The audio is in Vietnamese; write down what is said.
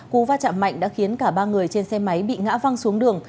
cú va chạm mạnh đã khiến cả ba người trên xe máy bị ngã văng xuống đường